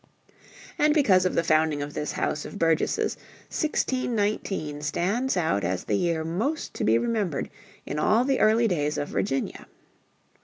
And because of the founding of this House of Burgesses 1619 stands out as the year most to be remembered in all the early days of Virginia.